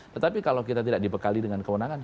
tetapi kalau kita tidak dibekali dengan kewenangan